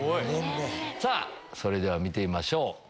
さぁそれでは見てみましょう。